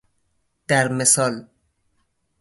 در مثال